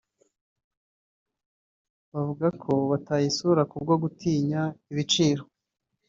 bavugako batayisura ku bwo gutinya ibiciro